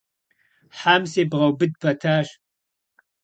Хьэм себгъэубыд пэтащ.